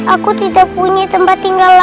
aku tidak punya tempat berada di sana